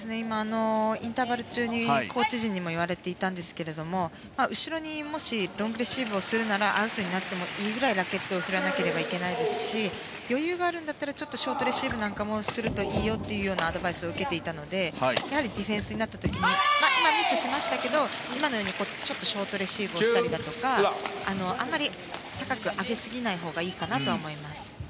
インターバル中にコーチ陣に言われていたんですが後ろにもし、ロングレシーブをするならアウトになってもいいぐらいラケットを振らないといけないし余裕があるんだったらショートレシーブなんかもするといいよというようなアドバイスを受けていたのでやはりディフェンスになった時に今、ミスしましたが今のようにちょっとショートレシーブをしたりだとかあんまり高く上げすぎないほうがいいかなとは思いますね。